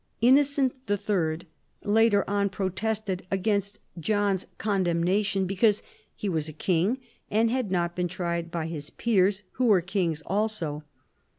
Innocent III. later on protested against John's condemnation because he was a king and had not been tried by his peers, who were kings also.